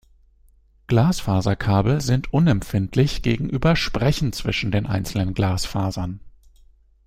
Glasfaserkabel sind unempfindlich gegen Übersprechen zwischen den einzelnen Glasfasern.